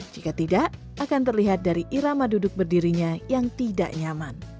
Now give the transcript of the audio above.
jika tidak akan terlihat dari irama duduk berdirinya yang tidak nyaman